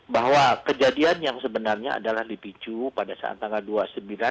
bahwa kejadian yang sebenarnya adalah dipicu pada saat tanggal dua puluh sembilan